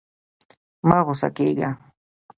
مه غوسه کېږه!